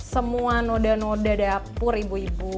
semua noda noda dapur ibu ibu